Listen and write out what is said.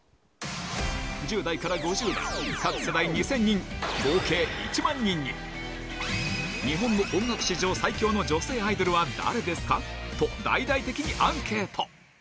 １０代から５０代、各世代２０００人、累計１万人に、日本の音楽史上最強の女性アイドルは誰ですか？と、大々的にアンケート。